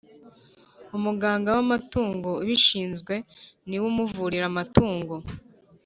Umuganga w’ amatungo ubishinzwe niwe umuvurira amatungo